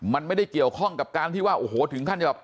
มันไม่ได้เกี่ยวข้องกับการที่ว่าโอ้โหถึงขั้นจะแบบ